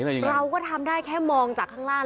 เราก็ทำได้แค่มองจากข้างล่าง